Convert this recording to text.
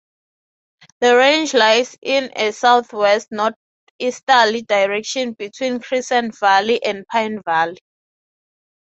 The range lies in a southwest-northeasterly direction between Crescent Valley and Pine Valley.